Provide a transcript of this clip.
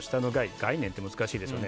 概念って難しいですよね。